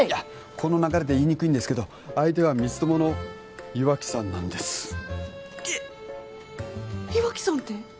この流れで言いにくいんですけど相手は光友の岩木さんなんですえっ岩木さんって？